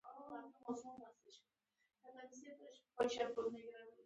محمد قسیم فهیم عجیب هوسونه لري.